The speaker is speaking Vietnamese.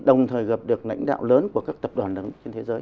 đồng thời gặp được lãnh đạo lớn của các tập đoàn lớn trên thế giới